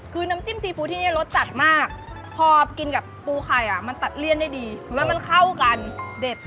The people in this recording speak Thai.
คือน้ำจิ้มซีฟู้ที่นี่รสจัดมากพอกินกับปูไข่อ่ะมันตัดเลี่ยนได้ดีแล้วมันเข้ากันเด็ด